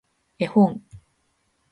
絵本